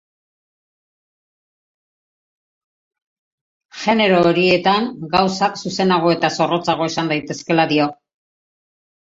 Genero horietan gauzak zuzenago eta zorrotzago esan daitezkeela dio.